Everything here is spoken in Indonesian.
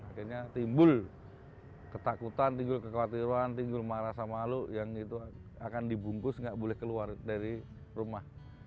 akhirnya timbul ketakutan timbul kekhawatiran timbul marah sama alu yang itu akan dibungkus nggak boleh keluar dari rumah